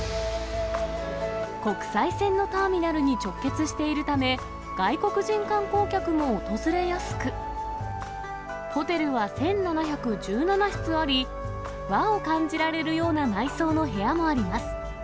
国際線のターミナルに直結しているため、外国人観光客も訪れやすく、ホテルは１７１７室あり、和を感じられるような内装の部屋もあります。